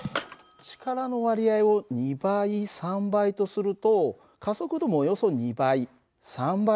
力の割合を２倍３倍とすると加速度もおよそ２倍３倍となるんだよ。